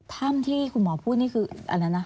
ถ้ำที่คุณหมอพูดนี่คืออะไรนะ